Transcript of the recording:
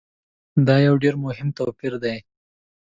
دا یو ډېر مهم توپیر دی.